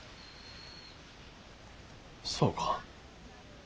そうか。